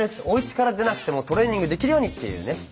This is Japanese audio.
おうちから出なくてもトレーニングできるようにっていうね